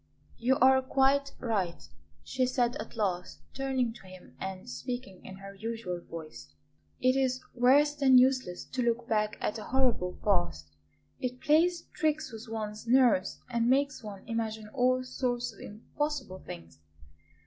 "You are quite right," she said at last, turning to him and speaking in her usual voice; "it is worse than useless to look back at a horrible past. It plays tricks with one's nerves and makes one imagine all sorts of impossible things.